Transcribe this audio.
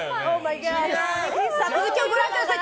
続きをご覧ください。